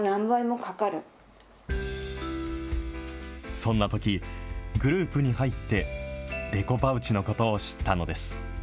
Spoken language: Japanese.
そんなとき、グループに入ってデコパウチのことを知ったのです。